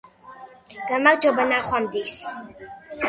გამარჯობა ნახვამდის